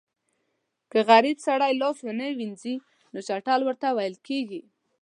که غریب سړی لاس ونه وینځي نو چټل ورته ویل کېږي.